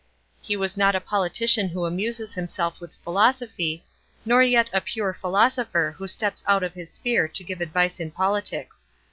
He was not a politician who amuses himself with philosophy, nor yet a pure philosopher who steps out of his sphere to give advice in politics.